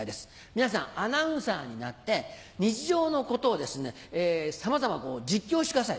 皆さんアナウンサーになって日常のことをさまざま実況してください。